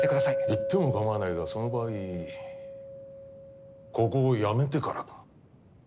行っても構わないがその場合ここを辞めてからだ。